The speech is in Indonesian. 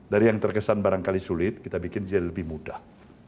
dari yang terkesan barangkali sulit kita bikin jadi lebih mudah